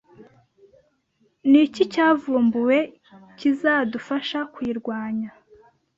Ni iki cyavumbuwe kzadufasha kuyirwanya